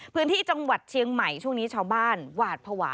พื้นที่จังหวัดเชียงใหม่ช่วงนี้ชาวบ้านหวาดภาวะ